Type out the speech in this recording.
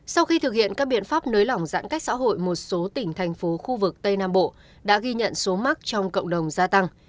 sau khi thực hiện các biện pháp nới lỏng giãn cách xã hội một số tỉnh thành phố khu vực tây nam bộ đã ghi nhận số mắc trong cộng đồng gia tăng